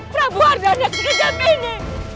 prabu argadana kejam ini